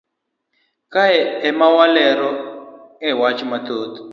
kae emalero e wach mathoth